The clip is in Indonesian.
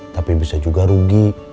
tapi bisa juga rugi